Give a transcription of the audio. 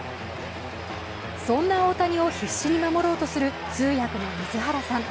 そんな大谷を必死に守ろうとする通訳の水原さん。